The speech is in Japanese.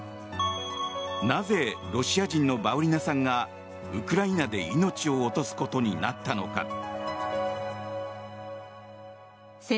なぜロシア人のバウリナさんがウクライナで命を落とすことになったのか。